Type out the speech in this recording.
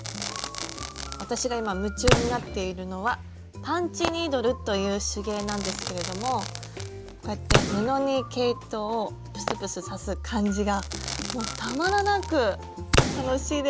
私が今夢中になっているのは「パンチニードル」という手芸なんですけれどもこうやって布に毛糸をプスプス刺す感じがもうたまらなく楽しいです。